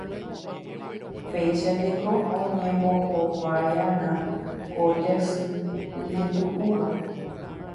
Péichajeko oñembohovaiva'erã ko jasy ijetu'úva.